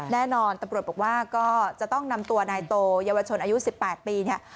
แน่นอนตำรวจบอกว่าก็จะต้องนำตัวนายโตเยาวชนอายุ๑๘ปีเนี่ย